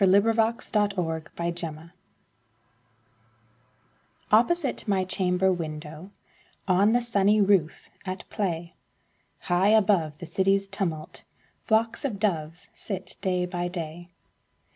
Louisa May Alcott My Doves OPPOSITE my chamber window, On the sunny roof, at play, High above the city's tumult, Flocks of doves sit day by day.